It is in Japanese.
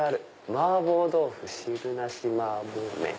「麻婆豆腐」「汁なし麻婆麺」。